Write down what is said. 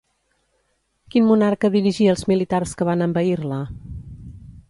Quin monarca dirigia els militars que van envair-la?